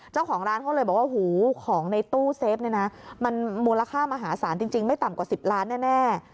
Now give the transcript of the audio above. เจ้าของร้านเขาเลยบอกว่าหูของในตู้เซฟเนี่ยนะมันมูลค่ามหาศาลจริงไม่ต่ำกว่า๑๐ล้านแน่